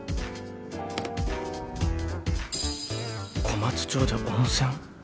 小松町で温泉？